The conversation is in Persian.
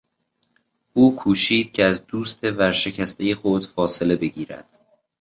او کوشید که از دوست ورشکستهی خود فاصله بگیرد.